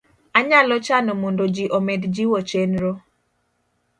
Anyalo chano mondo ji omed jiwo chenro